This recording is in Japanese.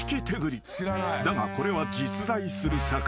［だがこれは実在する魚］